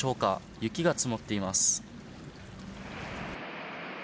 雪が積もっています。